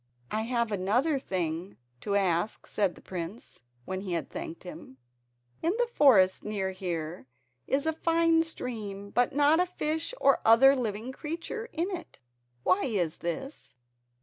"I have another thing to ask," said the prince, when he had thanked him. "In the forest near here is a fine stream but not a fish or other living creature in it. Why is this?"